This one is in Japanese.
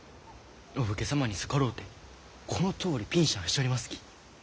お武家様に逆ろうてこのとおりピンシャンしちょりますき。